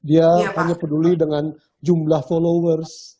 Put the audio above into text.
yang peduli dengan jumlah followers